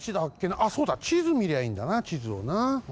あっそうだちずみりゃいいんだなちずをな。